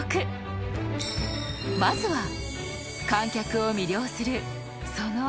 ［まずは観客を魅了するその］